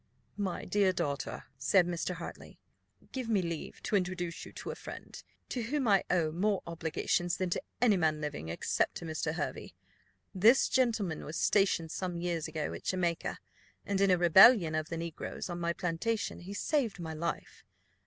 "My dear daughter," said Mr. Hartley, "give me leave to introduce to you a friend, to whom I owe more obligations than to any man living, except to Mr. Hervey. This gentleman was stationed some years ago at Jamaica, and in a rebellion of the negroes on my plantation he saved my life.